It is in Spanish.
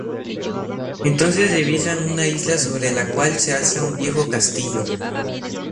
Entonces divisan una isla sobre la cual se alza un viejo castillo.